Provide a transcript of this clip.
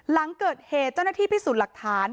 หลังเกิดเหตุเจ้าหน้าที่พิสูจน์หลักฐาน